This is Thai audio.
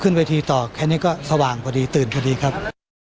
ขึ้นเวทีต่อแค่นี้ก็สว่างพอดีตื่นพอดีครับ